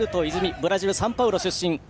ブラジル・サンパウロ出身。